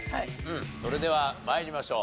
それでは参りましょう。